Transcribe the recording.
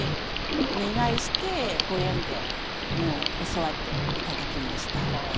お願いしてご縁でもう教わっていただきました。